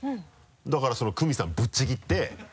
だからクミさんぶっちぎって。